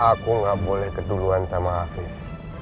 aku nggak boleh keduluan sama afif